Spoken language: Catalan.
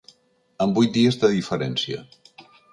Amb vuit dies de diferència.